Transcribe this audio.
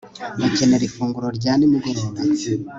bakenera ifunguro rya nimugoroba